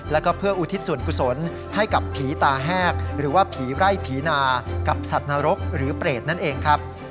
แล้วก็เพื่ออุทิศส่วนกุศลให้กับผีตาแหกหรือว่าผีไร่ผีนากับสัตว์นรกหรือเปรตนั่นเองครับ